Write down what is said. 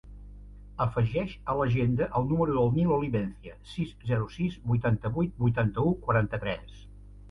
Afegeix a l'agenda el número del Nil Olivencia: sis, zero, sis, vuitanta-vuit, vuitanta-u, quaranta-tres.